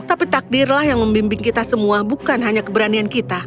tapi takdirlah yang membimbing kita semua bukan hanya keberanian kita